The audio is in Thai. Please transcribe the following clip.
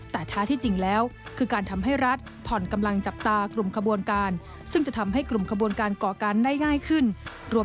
แต่ท้าที่จริงแล้ว